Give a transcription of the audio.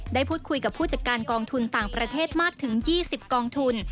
ได้พูดคุยกับผู้จัดการกองทุนต่างประเทศมากถึง๒๐กองทุน